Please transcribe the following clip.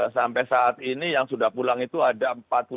sampai saat ini yang sudah pulang itu ada empat puluh dua enam ratus tujuh belas